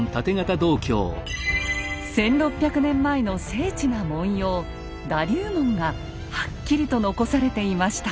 １，６００年前の精緻な文様「だ龍文」がはっきりと残されていました。